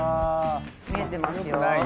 見えてますよ。